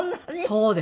そうです。